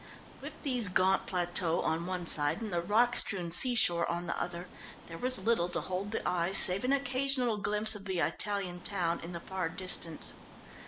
With these gaunt plateaux on one side and the rock strewn seashore on the other, there was little to hold the eye save an occasional glimpse of the Italian town in the far distance.